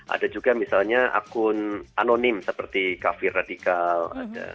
ada juga misalnya akun anonim seperti kafir radikal